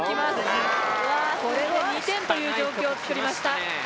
これで２点というじょうきょうを作りました。